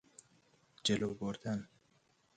جلو بردن